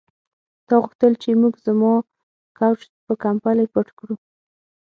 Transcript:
تا غوښتل چې موږ زما کوچ په کمپلې پټ کړو